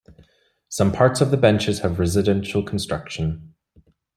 Some parts of the benches have residential construction.